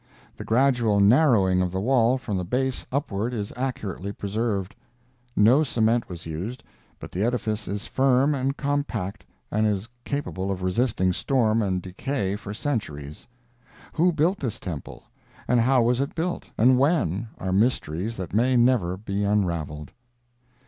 The gradual narrowing of the wall from the base upward is accurately preserved. No cement was used, but the edifice is firm and compact and is capable of resisting storm and decay for centuries. Who built this temple, and how was it built, and when, are mysteries that may never be unraveled.